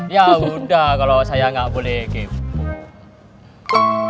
yaudah kalo saya gak boleh kepo